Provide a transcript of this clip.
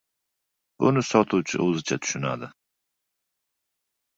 Buni sotuvchi o‘zicha tushundi